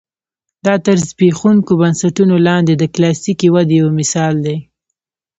دا تر زبېښونکو بنسټونو لاندې د کلاسیکې ودې یو مثال دی.